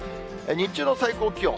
日中の最高気温。